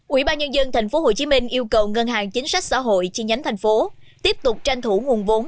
ubnd tp hcm yêu cầu ngân hàng chính sách xã hội chi nhánh thành phố tiếp tục tranh thủ nguồn vốn